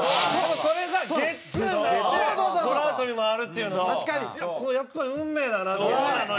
それがゲッツーになってトラウトに回るっていうのもこれやっぱり運命だなっていう感じが。